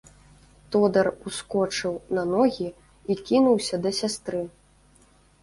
Тодар ускочыў на ногі і кінуўся да сястры.